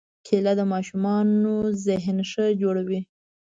کېله د ماشومانو ذهن ښه جوړوي.